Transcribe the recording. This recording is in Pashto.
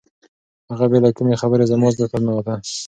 هغه بې له کومې خبرې زما زړه ته ننوته.